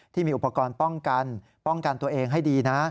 ที่มีอุปกรณ์ป้องกันป้องกันตัวเองให้ดีนะ